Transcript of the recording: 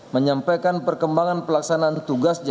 menyampaikan perkembangan pelaksanaan tugasnya